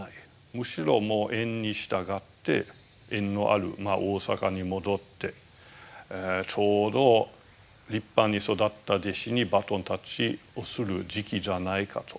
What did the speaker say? むしろ縁に従って縁のある大阪に戻ってちょうど立派に育った弟子にバトンタッチをする時期じゃないかと。